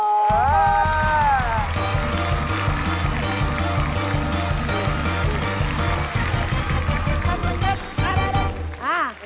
ครับคุณเจ็บมาด้วยอ้าว